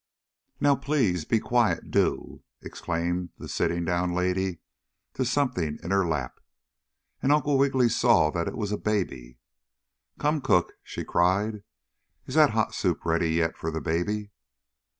"Now please be quiet do!" exclaimed the sitting down lady to something in her lap, and Uncle Wiggily saw that it was a baby. "Come, cook!" she cried. "Is that hot soup ready yet for the baby?"